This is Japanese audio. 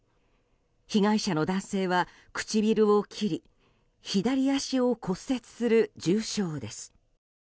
被害者の男性は、唇を切り左足を骨折する重傷です。